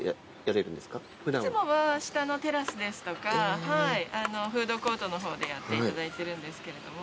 いつもは下のテラスですとかフードコートの方でやっていただいてるんですけれど。